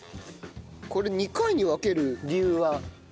これ２回に分ける理由は？